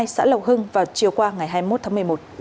xã lộc hưng vào chiều qua ngày hai mươi một tháng một mươi một